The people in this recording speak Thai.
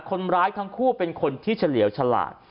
คนร้ายทั้งคู่เป็นคนที่เฉลี่ยวฉลาด